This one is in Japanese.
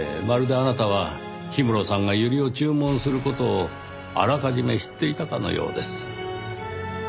まるであなたは氷室さんがユリを注文する事をあらかじめ知っていたかのようです。